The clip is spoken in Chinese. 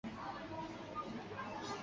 迦太基政府被迫重新起用哈米尔卡。